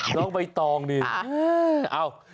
งอกใบตองเนี่ย